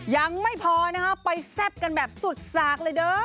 ยังไม่พอนะคะไปแซ่บกันแบบสุดสากเลยเด้อ